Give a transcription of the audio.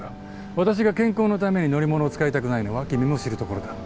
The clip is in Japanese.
私が健康のために乗り物を使いたくないのは君も知るところだ。